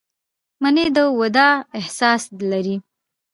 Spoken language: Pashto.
منی د وداع احساس لري